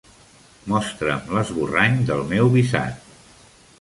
Mostra'm l'esborrany del meu visat.